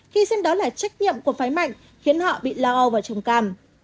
khi xem đó là trách nhiệm của phái mạnh khiến họ bị lao vào trồng cam